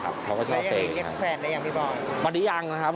แล้วยังได้เรียกแฟนได้อย่างที่บอก